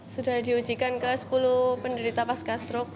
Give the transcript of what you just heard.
sudah diujikan ke sepuluh penderita pasca stroke